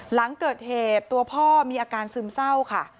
หลังเกิดเหตุตัวพ่อมีอาการซึมเศร้าค่ะ